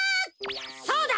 そうだ！